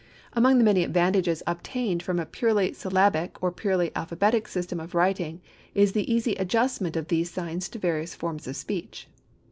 Among the many advantages obtained from a purely syllabic, or purely alphabetic system of writing is the easy adjustment of these signs to various forms of speech.